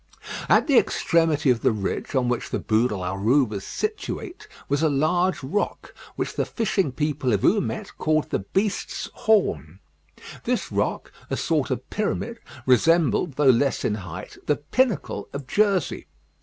At the extremity of the ridge on which the Bû de la Rue was situate, was a large rock, which the fishing people of Houmet called the "Beast's Horn." This rock, a sort of pyramid, resembled, though less in height, the "Pinnacle" of Jersey.